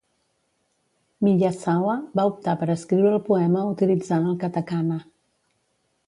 Miyazawa va optar per escriure el poema utilitzant el katakana.